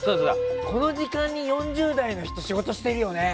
この時間に４０代の人仕事してるよね。